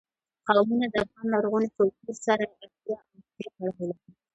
قومونه د افغان لرغوني کلتور سره پوره او نږدې تړاو لري.